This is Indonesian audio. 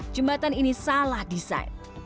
jembatan ini salah desain